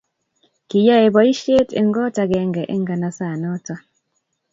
kiyoei poishet eng kot akenge eng naganaset noto